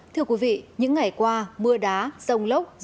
thưa quý vị những ngày qua mưa đá rông lốc